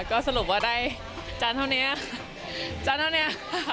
ก็สรุปว่าได้จานเท่านี้จานเท่านี้